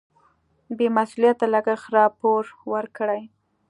بې مسؤلیته لګښت راپور ورکړي.